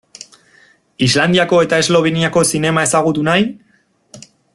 Islandiako eta Esloveniako zinema ezagutu nahi?